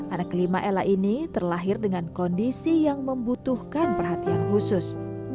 anak kelima ella ini terlahir dengan kondisi yang membutuhkan perhatian khusus